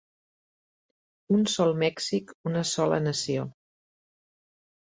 Un sol Mèxic, una sola nació.